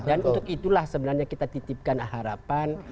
dan untuk itulah sebenarnya kita titipkan harapan